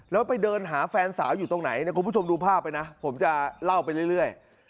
แล้วไปเดินหาแฟนสาวอยู่ตรงไหนนะคุณผู้ชมดูภาพไปนะผมจะเล่าไปเรื่อย